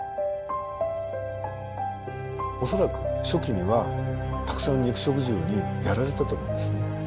恐らく初期にはたくさん肉食獣にやられたと思うんですね。